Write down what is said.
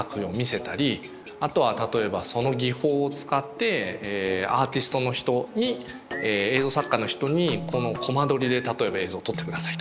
あとは例えばその技法を使ってアーティストの人に映像作家の人にこのコマ撮りで例えば映像撮ってくださいとか。